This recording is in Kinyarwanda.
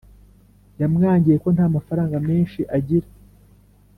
yamwangiye ko nta mafaranga menshi agira